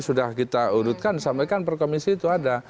sudah kita urutkan disampaikan per komisi itu ada